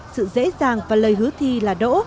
sự dễ dàng và lời hứa thi là đỗ